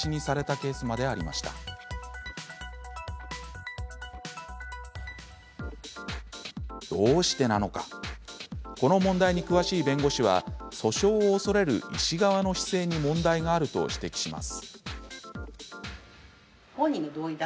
この問題に詳しい弁護士は訴訟を恐れる医師側の姿勢に問題があると指摘します。